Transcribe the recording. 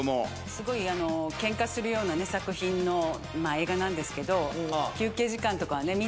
すごいケンカするような作品の映画なんですけど。